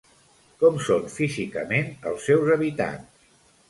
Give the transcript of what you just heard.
Com són físicament els seus habitants?